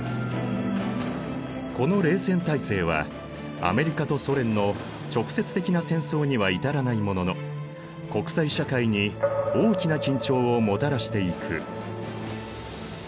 この冷戦体制はアメリカとソ連の直接的な戦争には至らないものの国際社会に大きな緊張をもたらしていく。